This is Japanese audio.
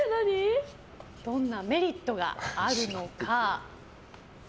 どんなメリットがあるのか。